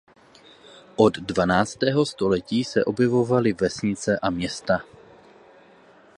Od dvanáctého století se objevovaly vesnice a města.